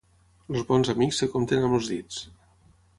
Els bons amics es compten amb els dits.